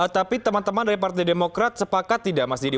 tapi teman teman dari partai demokrat sepakat tidak mas didi